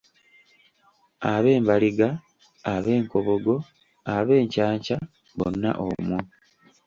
Ab'embaliga, ab'enkobogo, ab'encaaca, bonna omwo.